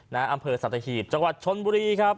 อำเภอสัตหีบจังหวัดชนบุรีครับ